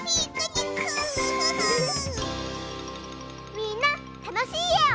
みんなたのしいえを。